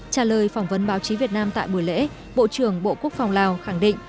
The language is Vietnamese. trả lời phỏng vấn báo chí việt nam tại buổi lễ bộ trưởng bộ quốc phòng lào khẳng định